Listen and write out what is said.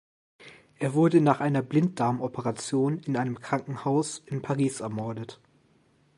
Er wurde nach einer Blinddarmoperation in einem Krankenhaus in Paris ermordet.